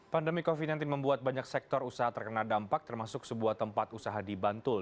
pandemi covid sembilan belas membuat banyak sektor usaha terkena dampak termasuk sebuah tempat usaha di bantul